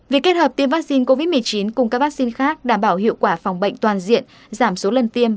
việc kết hợp tiêm vaccine covid một mươi chín cùng các vaccine khác đảm bảo hiệu quả phòng bệnh toàn diện giảm số lần tiêm